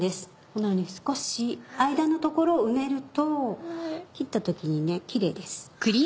このように少し間の所を埋めると切った時にキレイです。